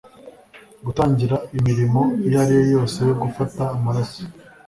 gutangira imirimo iyo ari yose yo gufata amaraso